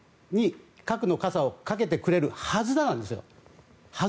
核の傘をかけてくれるはずだなんですよ。